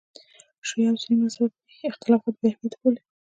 شیعه او سني مذهبي اختلافات بې اهمیته وبولي.